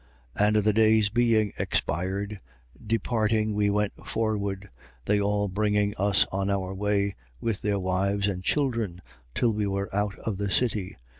21:5. And the days being expired, departing we went forward, they all bringing us on our way, with their wives and children, till we were out of the city.